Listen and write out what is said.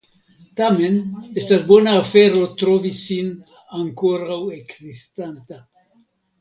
Tamen estas bona afero trovi sin ankoraŭ ekzistanta.